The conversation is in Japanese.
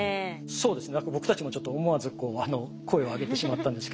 そうですね。